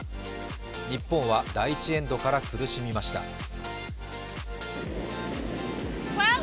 日本は第１エンドから苦しみました